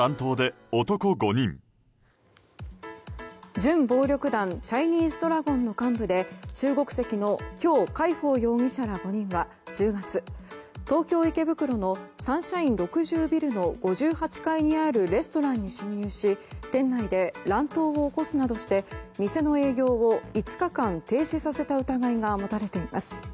準暴力団チャイニーズドラゴンの幹部で中国籍のキョウ・カイホウ容疑者ら５人は１０月、東京・池袋のサンシャイン６０ビルの５８階にあるレストランに侵入し店内で乱闘を起こすなどして店の営業を５日間、停止させた疑いが持たれています。